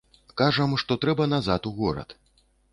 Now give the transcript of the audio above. Кажам, што трэба назад, у горад.